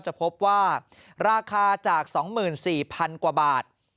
จะพบว่าราคาจาก๒๔๐๐๐กว่าบาท